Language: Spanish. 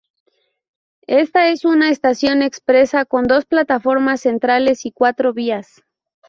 Esta es una estación expresa con dos plataformas centrales y cuatro vías.